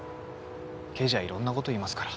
刑事はいろんな事言いますから。